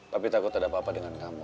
tapi takut ada apa apa dengan kamu